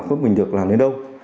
không biết mình được làm đến đâu